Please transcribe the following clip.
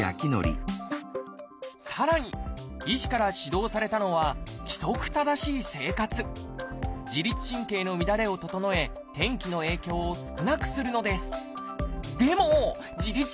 さらに医師から指導されたのは自律神経の乱れを整え天気の影響を少なくするのです。